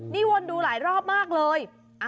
นี่วนดูหลายรอบมากเลย